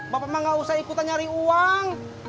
bapak mah gak usah ikutan nyari uang